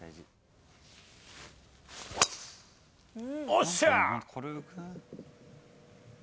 おっしゃ。